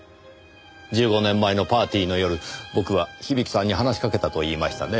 １５年前のパーティーの夜僕は響さんに話しかけたと言いましたね？